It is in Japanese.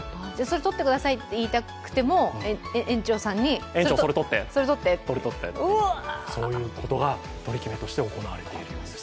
とってくださいって言いたくても園長さんに園長、それ取ってと、そういうことが取り決めとして行われているそうです。